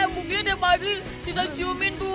mungkin ya pagi kita ciumin tuh